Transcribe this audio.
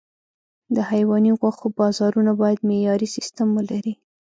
د حيواني غوښو بازارونه باید معیاري سیستم ولري.